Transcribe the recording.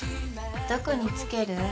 どこに付ける？